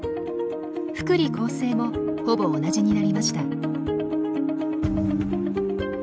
福利厚生もほぼ同じになりました。